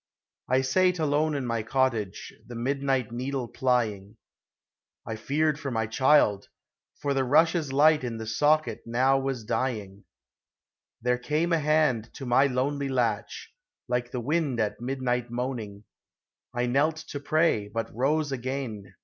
I sate alone in my cottage, The midnight needle plying ; I feared for my child, for the rush's light In the socket now was dying ; There came a hand to my lonely latch, Like the wind at midnight moaning ; I knelt to pray, but rose again.